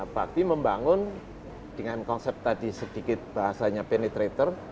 bakti membangun dengan konsep tadi sedikit bahasanya penetrator